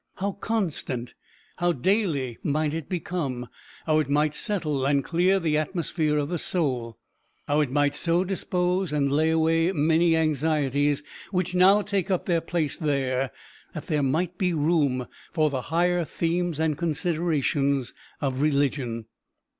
how constant, how daily might it become! how it might settle and clear the atmosphere of the soul! how it might so dispose and lay away many anxieties which now take up their place there, that there might be room for the higher themes and considerations of religion!